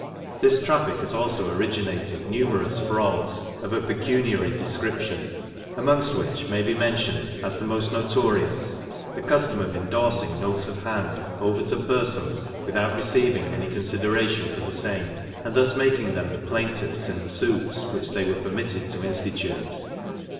This traffic has also originated numerous frauds of a pecuniary description, amongst which may be mentioned, as the most notorious, the custom of indorsing notes of hand over to persons, without receiving any consideration for the same, and thus making them the plaintiffs in the suits which they were permitted to institute.